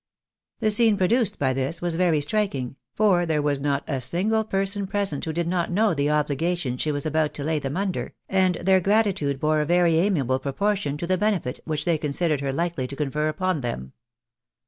The scene produced by this was very striking ; for there was not a single person present who did not know the obhgations she was about to lay them under, and their gratitude bore a very amiable proportion to the benefit which they considered her likely to confer upon them.